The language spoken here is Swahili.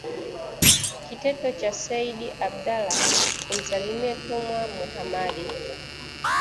Kitendo cha Sayyid Abdallah kumsalia Tumwa Muhammadi